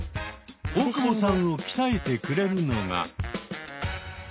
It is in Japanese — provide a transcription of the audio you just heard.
大久保さんを鍛えてくれるのが。